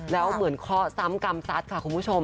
แล้วเหมือนข้อซ้ำกำซัดค่ะคุณผู้ชม